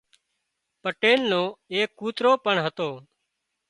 پٽيل نو ايڪ ڪوترو پڻ هتو